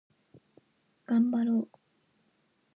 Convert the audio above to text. がんばろう